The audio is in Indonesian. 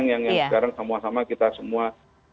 yang sekarang sama sama kita semua